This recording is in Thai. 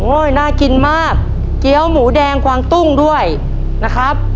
น่ากินมากเกี้ยวหมูแดงกวางตุ้งด้วยนะครับ